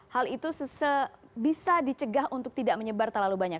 hal itu bisa dicegah untuk tidak menyebar terlalu banyak